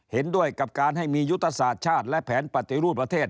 เห็นด้วยกับการให้มียุทธศาสตร์ชาติและแผนปฏิรูปประเทศ